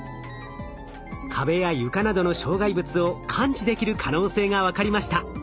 壁や床などの障害物を感知できる可能性が分かりました。